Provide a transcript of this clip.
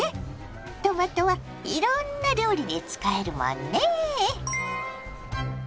トマトはいろんな料理に使えるもんね。